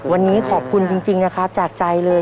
วันนี้ขอบคุณจริงนะครับจากใจเลย